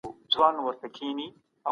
هغه د اقتصادي پرمختګ لپاره اقدامات وکړل.